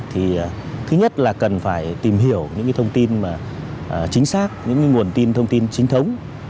thứ nhất là cần phải tìm hiểu những thông tin chính xác những nguồn tin thông tin chính thống